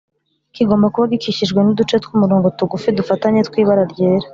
kigomba kuba gikikijwe n’uducetw’umurongo tugufi tudafatanye tw’ibara ryera